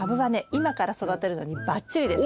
今から育てるのにバッチリです。